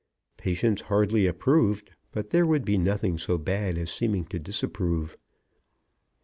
Patience hardly approved, but there would be nothing so bad as seeming to disapprove.